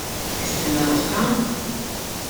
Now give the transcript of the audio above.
Is-sena l-oħra?